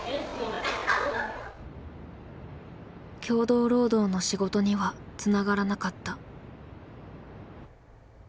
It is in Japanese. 協同労働の仕事にはつながらなかった。